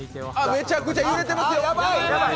めちゃくちゃ揺れてますよ！